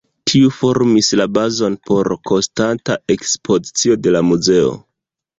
Tiu formis la bazon por konstanta ekspozicio de la muzeo.